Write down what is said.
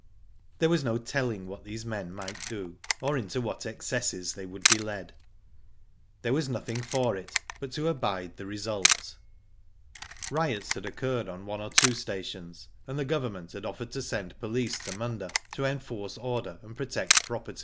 There was no telling what these men might do, or into what excesses they would be led. There was nothing for it but to abide the result. Riots had occurred on one or two stations, and the Government had offered to send police to Munda, to enforce order, and protect property.